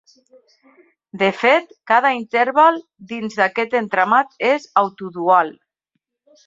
De fet, cada interval dins d'aquest entramat és autodual.